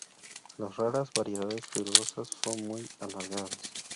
Las raras variedades fibrosas son muy alargadas.